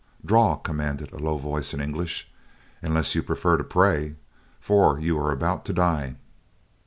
"Draw!" commanded a low voice in English, "unless you prefer to pray, for you are about to die."